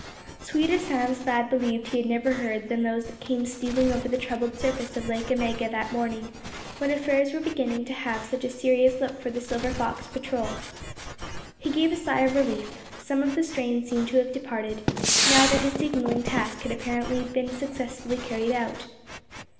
Sweeter sounds Thad believed he had never heard than those that came stealing over the troubled surface of Lake Omega that morning, when affairs were beginning to have such a serious look for the Silver Fox Patrol. He gave a sigh of relief. Some of the strain seemed to have departed, now that his signaling task had apparently been successfully carried out.